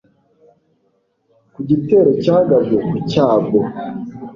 ku gitero cyagabwe, ku cyago